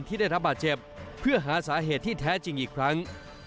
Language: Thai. ที่ได้รับบาดเจ็บเพื่อหาสาเหตุที่แท้จริงอีกครั้ง